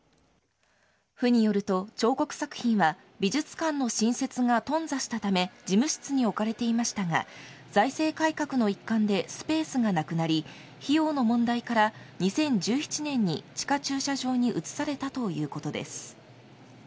府によると、彫刻作品は、美術館の新設がとん挫したため、事務室に置かれていましたが、財政改革の一環でスペースがなくなり、費用の問題から２０１７年に地下駐車場に移されたということです。